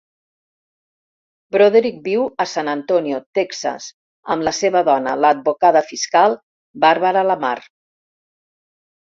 Broderick viu a San Antonio, Texas, amb la seva dona, l'advocada fiscal Barbara Lamar.